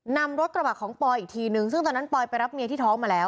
นำรถกระบะของปอยอีกทีนึงซึ่งตอนนั้นปอยไปรับเมียที่ท้องมาแล้ว